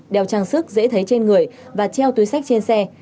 đeo trang sức dễ thấy trên người và treo túi sách trên xe